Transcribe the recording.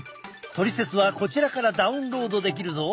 トリセツはこちらからダウンロードできるぞ！